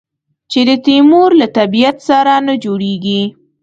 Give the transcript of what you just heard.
چې د تیمور له طبیعت سره نه جوړېږي.